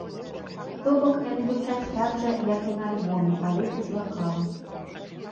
То бок, яны гучаць так жа, як і на альбоме, але без вакалу.